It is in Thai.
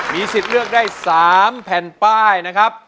มีสิทธิ์เลือกได้๓แผ่นป้ายนะครับ